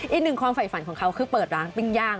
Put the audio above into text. อีกหนึ่งความฝ่ายฝันของเขาคือเปิดร้านปิ้งย่าง